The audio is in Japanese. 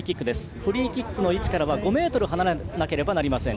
フリーキックの位置からは５ｍ離れなければなりません。